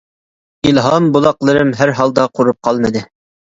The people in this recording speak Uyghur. ئىلھام بۇلاقلىرىم ھەر ھالدا قۇرۇپ قالمىدى.